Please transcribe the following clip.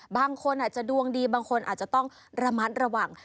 บางคนอาจจะดวงดีบางคนอาจจะต้องระมัดระวัง